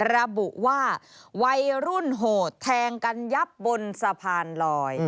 ระบุว่าวัยรุ่นโหดแทงกันยับบนสะพานลอย